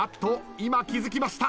今気付きました。